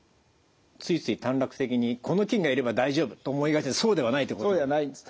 ついつい短絡的にこの菌がいれば大丈夫と思いがちですがそうではないということですね。